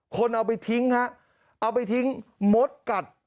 คนเอาไปทิ้งฮะเอาไปทิ้งมดกัด